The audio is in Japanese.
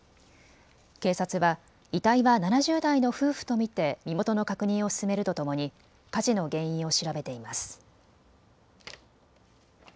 警察は遺体は７０代の夫婦と見て身元の確認を進めるとともに火事の原因を調べています。